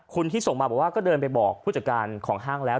ที่ส่งมาบอกว่าก็เดินไปบอกผู้จัดการของห้างแล้ว